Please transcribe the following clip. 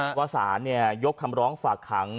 รับวัตรศาลยกคำร้องฝากหัง